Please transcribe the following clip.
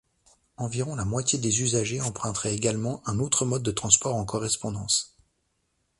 Environ la moitié des usagers emprunteraient également un autre mode de transport en correspondance.